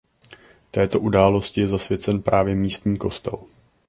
Této události je zasvěcen právě místní kostel.